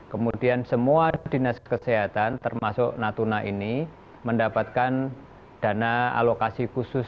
kemudian semua dinas kesehatan termasuk natuna ini mendapatkan dana alokasi khusus